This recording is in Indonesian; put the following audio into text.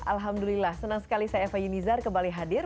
alhamdulillah senang sekali saya eva yunizar kembali hadir